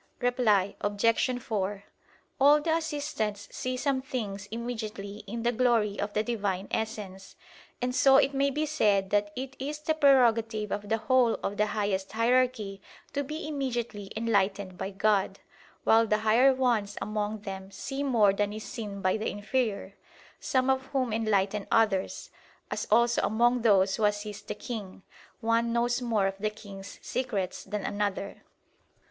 Reply Obj. 4: All the assistants see some things immediately in the glory of the Divine Essence; and so it may be said that it is the prerogative of the whole of the highest hierarchy to be immediately enlightened by God; while the higher ones among them see more than is seen by the inferior; some of whom enlighten others: as also among those who assist the king, one knows more of the king's secrets than another.